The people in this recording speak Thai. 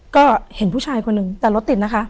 ก็เห็นผู้ชายคนหนึ่งแต่รถติดนะคะ